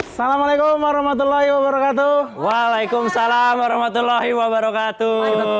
assalamualaikum warahmatullahi wabarakatuh waalaikumsalam warahmatullahi wabarakatuh